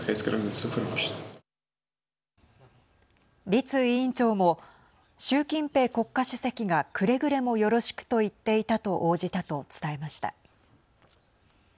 栗委員長も習近平国家主席がくれぐれもよろしくと言っていたと応じたと伝えました。